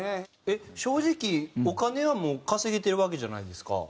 正直お金はもう稼げてるわけじゃないですか。